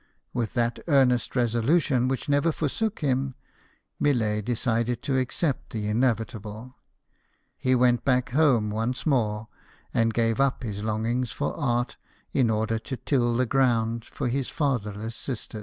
With that earnest resolution which never forsook him, Millet decided to accept the inevitable. He went back home Once more, and gave up his longings for art in order to till the ground for his fatherless sisters.